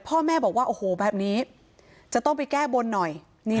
พ่อแม่บอกว่าโอ้โหแบบนี้จะต้องไปแก้บนหน่อย